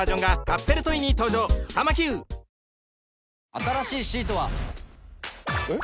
新しいシートは。えっ？